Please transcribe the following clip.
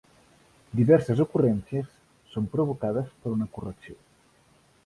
Diverses ocurrències són provocades per una correcció.